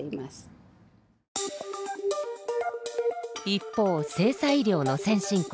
一方性差医療の先進国